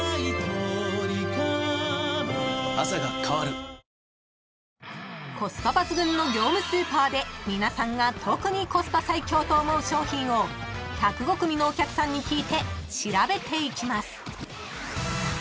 新「ＥＬＩＸＩＲ」［コスパ抜群の業務スーパーで皆さんが特にコスパ最強と思う商品を１０５組のお客さんに聞いて調べていきます］